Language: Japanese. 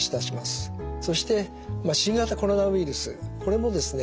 そして新型コロナウイルスこれもですね